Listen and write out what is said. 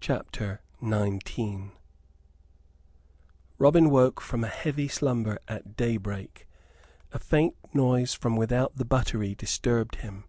CHAPTER XIX Robin woke from a heavy slumber at daybreak. A faint noise from without the buttery disturbed him.